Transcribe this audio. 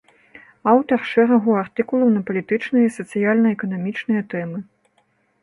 Аўтар шэрагу артыкулаў на палітычныя і сацыяльна-эканамічныя тэмы.